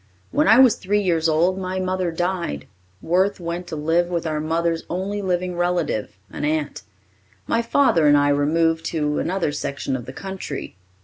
When I was three years old, my mother died. Worth went to live with our mother's only living relative, an aunt. My father and I removed to another section of the country.